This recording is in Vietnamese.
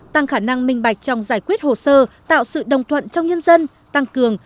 tăng khả năng minh bạch trong giải quyết hồ sơ tạo sự đồng thuận trong nhân dân tăng cường